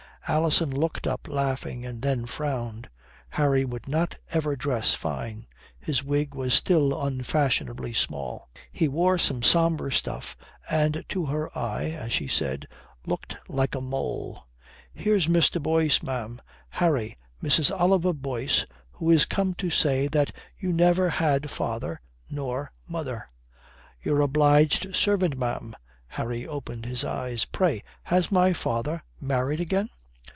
Alison looked up laughing and then frowned. Harry would not ever dress fine. His wig was still unfashionably small, he wore some sombre stuff, and to her eye (as she said) looked like a mole. "Here's Mr. Boyce, ma'am. Harry, Mrs. Oliver Boyce, who is come to say that you never had father nor mother." "Your obliged servant, ma'am." Harry opened his eyes. "Pray, has my father married again?"